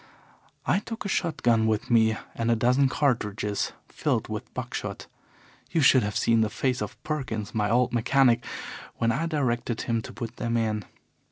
I took a shot gun with me and a dozen cartridges filled with buck shot. You should have seen the face of Perkins, my old mechanic, when I directed him to put them in.